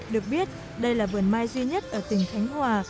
được biết đây là vườn mai duy nhất ở tỉnh khánh hòa